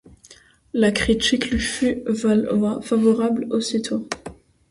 La critique lui fut favorable aussitôt.